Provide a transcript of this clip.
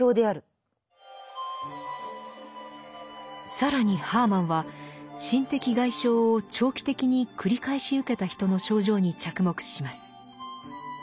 更にハーマンは心的外傷を長期的に繰り返し受けた人の症状に着目します。